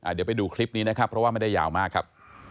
เดี๋ยวไปดูคลิปนี้นะครับเพราะว่าไม่ได้ยาวมากครับ